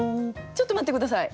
ちょっと待って下さい！